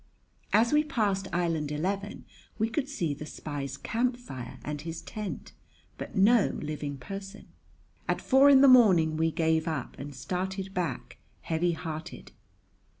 As we passed Island Eleven we could see the spy's camp fire and his tent, but no living person. At four in the morning we gave up and started back, heavy hearted.